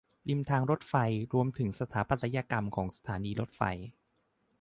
ริมทางรถไฟ รวมถึงสถาปัตยกรรมของสถานีรถไฟ